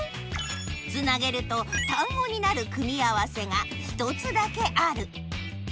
つなげると単語になる組み合わせが１つだけある。